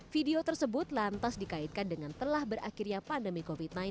video tersebut lantas dikaitkan dengan telah berakhirnya pandemi covid sembilan belas